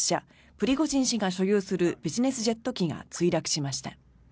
プリゴジン氏が所有するビジネスジェット機が墜落しました。